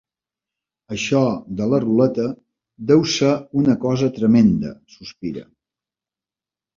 Això de la ruleta deu ser una cosa tremenda —sospira—.